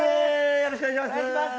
よろしくお願いします！